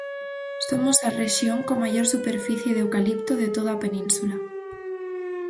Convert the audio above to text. Somos a rexión con maior superficie de eucalipto de toda a Península.